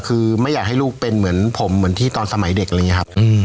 คือไม่อยากให้ลูกเป็นเหมือนผมเหมือนที่ตอนสมัยเด็กอะไรอย่างนี้ครับ